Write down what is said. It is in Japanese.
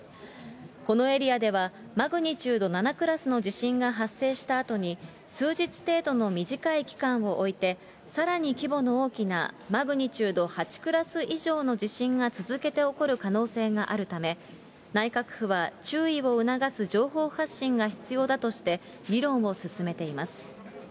このエリアでは、マグニチュード７クラスの地震が発生したあとに、数日程度の短い期間を置いて、さらに規模の大きなマグニチュード８クラス以上の地震が続けて起こる可能性があるため、内閣府は注意を促す情報発信が必要だとして、議論を進めています。